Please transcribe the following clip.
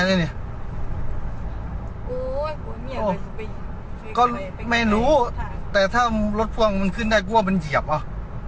นี่ก็ไม่รู้แต่ถ้ารถพ่วงมันขึ้นได้กลัวมันเหยียบว่ะ